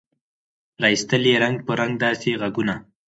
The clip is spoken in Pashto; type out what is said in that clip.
را ایستل یې رنګ په رنګ داسي ږغونه